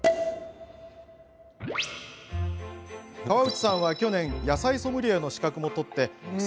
河内さんは去年野菜ソムリエの資格も取り草